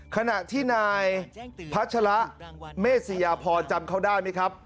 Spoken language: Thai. ขณะที่นายพัชระเมษยาพรจำเขาได้ไหมครับ